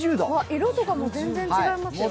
色とか全然違いますよ。